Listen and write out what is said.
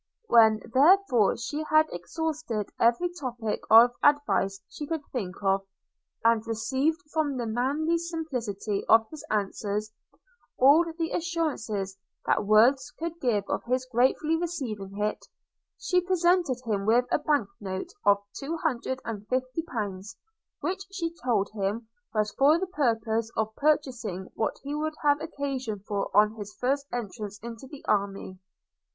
When therefore she had exhausted every topic of advice she could think of, and received, from the manly simplicity of his answers, all the assurances that words could give of his gratefully receiving it, she presented him with a bank note of two hundred and fifty pounds; which she told him was for the purpose of purchasing what he would have occasion for on his first entrance into the army.